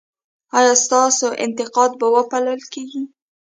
ایا ستاسو انتقاد به وپل کیږي؟